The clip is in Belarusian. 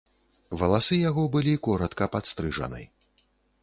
Валасы яго былі коратка падстрыжаны.